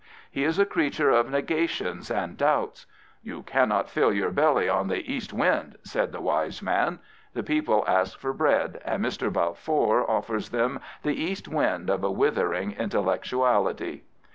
He is a creature of negations and doubts. " You cannot fill your belly on the east wind,*' said the wise man. The people ask for bread, and Mr. Balfour offers them the east wind of a withering intellectuality.